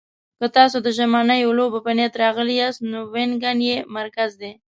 که تاسو د ژمنیو لوبو په نیت راغلي یاست، نو وینګن یې مرکز دی.